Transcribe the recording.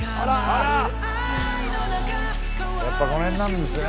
やっぱこの辺なんですね。